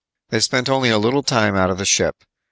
They spent only a little time out of the ship.